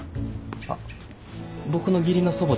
あっ僕の義理の祖母です。